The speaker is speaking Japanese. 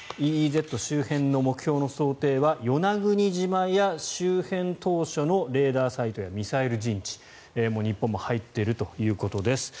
ＥＥＺ周辺の目標の想定は与那国島や周辺島しょのレーダーサイトやミサイル陣地日本も入っているということです。